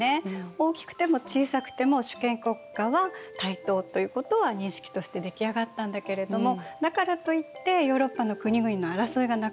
大きくても小さくても主権国家は対等ということは認識として出来上がったんだけれどもだからといってヨーロッパの国々の争いがなくなったわけではないの。